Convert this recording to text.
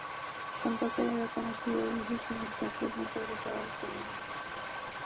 Contó que la había conocido dieciocho meses atrás mientras gozaba de permiso.